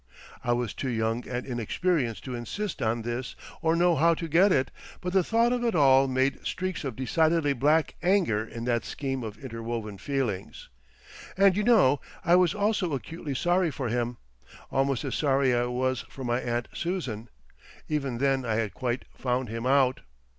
I was too young and inexperienced to insist on this or know how to get it, but the thought of it all made streaks of decidedly black anger in that scheme of interwoven feelings. And you know, I was also acutely sorry for him—almost as sorry as I was for my aunt Susan. Even then I had quite found him out.